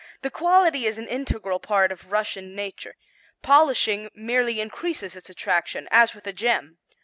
The quality is an integral part of Russian nature; polishing merely increases its attraction as with a gem.